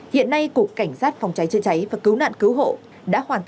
hiện nay cục cảnh sát phòng cháy chơi cháy và cứu nạn cứu hộ